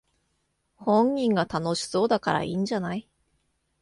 本人が楽しそうだからいいんじゃない